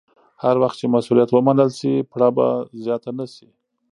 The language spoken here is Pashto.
هر وخت چې مسوولیت ومنل شي، پړه به زیاته نه شي.